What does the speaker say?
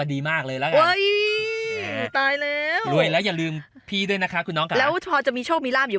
ดีควบคู่กันไปเลย